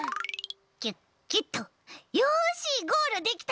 キュッキュッとよしゴールできた！